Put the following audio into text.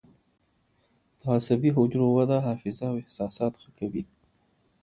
د عصبي حجرو وده حافظه او احساسات ښه کوي.